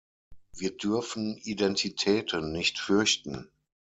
Wir dürfen Identitäten nicht fürchten.